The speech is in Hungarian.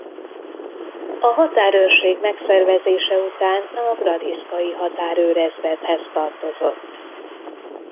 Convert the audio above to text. A határőrség megszervezése után a gradiskai határőrezredhez tartozott.